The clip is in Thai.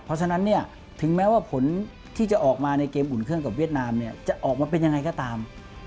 เพราะฉะนั้นเนี่ยถึงแม้ว่าผลที่จะออกมาในเกมอุ่นเครื่องกับเวียดนามเนี่ยจะออกมาเป็นยังไงก็ตาม